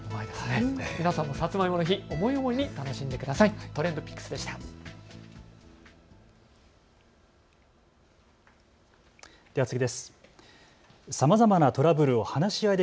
皆さんもサツマイモの日、思い思いに楽しんでください。